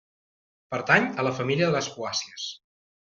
Pertany a la família de les poàcies.